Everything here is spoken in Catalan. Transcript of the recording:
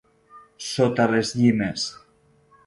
Sota les llimes